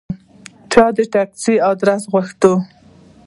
چا د تکسي آدرس غوښته.